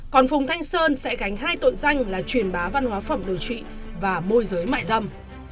còn phùng thanh sơn sẽ gánh hai tội danh là truyền bá văn hóa phẩm đồ trị và môi giới mại dâm